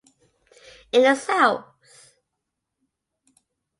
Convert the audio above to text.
In the South.